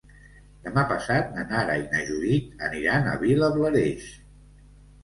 Demà passat na Nara i na Judit aniran a Vilablareix.